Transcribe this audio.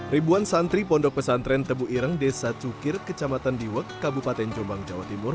ribuan santri pondok pesantren tebuirang desa cukir kecamatan diwak kabupaten jombang jawa timur